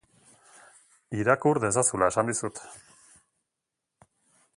Irakur dezazula esan dizut.